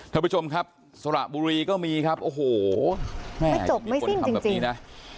ท่านผู้ชมครับสระบุรีก็มีครับโอ้โหไม่จบไม่สิ้นจริงจริงนะ